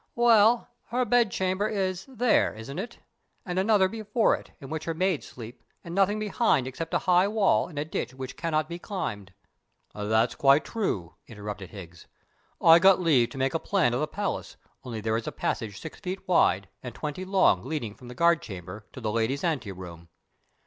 Well, her bed chamber is there, isn't it? and another before it, in which her maids sleep, and nothing behind except a high wall and a ditch which cannot be climbed." "That's quite true," interrupted Higgs. "I got leave to make a plan of the palace, only there is a passage six feet wide and twenty long leading from the guard chamber to the ladies' anteroom."